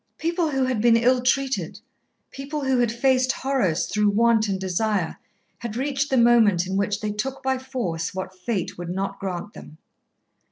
People who had been ill treated, people who had faced horrors through want and desire, had reached the moment in which they took by force what Fate would not grant them.